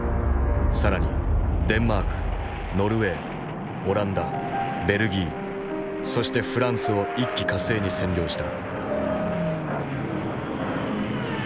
更にデンマークノルウェーオランダベルギーそしてフランスを一気呵成に占領した。